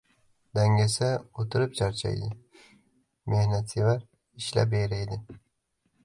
• Dangasa o‘tirib charchaydi, mehnatsevar ishlab yayraydi.